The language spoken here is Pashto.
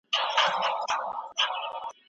هوغه سيب دي .